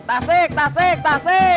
tasik tasik tasik